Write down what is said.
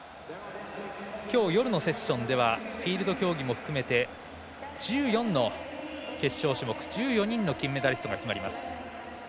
きょう、夜のセッションではフィールド競技も含めて１４の決勝種目１４人の金メダリストが決まります。